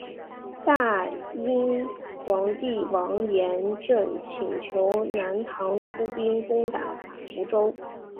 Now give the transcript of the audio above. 大殷皇帝王延政请求南唐出兵攻打福州。